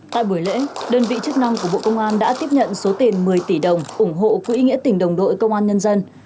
tại buổi lễ đơn vị chức năng của bộ công an đã tiếp nhận số tiền một mươi tỷ đồng ủng hộ quỹ nghĩa tỉnh đồng đội công an nhân dân